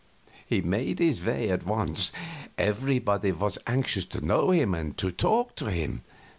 He made his way at once; everybody was anxious to know him and talk with him.